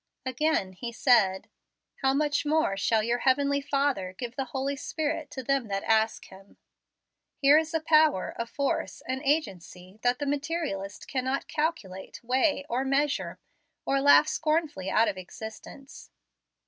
Again He said, "How much more shall your Heavenly Father give the Holy Spirit to them that ask him." Here is a power, a force, an agency, that the materialist cannot calculate, weigh, or measure, or laugh scornfully out of existence.